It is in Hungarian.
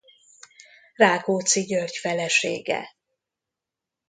Rákóczi György felesége.